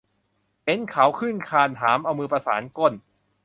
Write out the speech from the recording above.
เห็นเขาขึ้นคานหาม เอามือประสานก้น